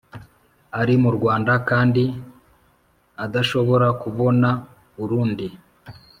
ari mu Rwanda kandi adashobora kubona urundi